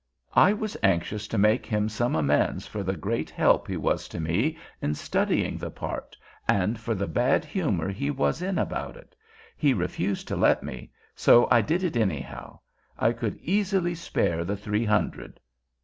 I was anxious to make him some amends for the great help he was to me in studying the part, and for the bad humor he was in about it. He refused to let me, so I did it anyhow. I could easily spare the three hundred.